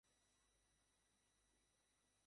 সেবা প্রদানকারীরাও বিভ্রান্ত।